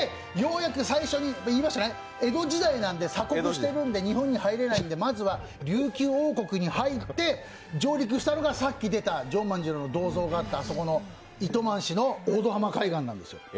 江戸時代なので、鎖国しているんで日本に入れないのでまずは琉球王国に入って上陸したのがさっき出たジョン万次郎の銅像があった糸満市の大度浜海岸なんです。